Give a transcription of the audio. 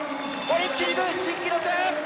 オリンピック新記録！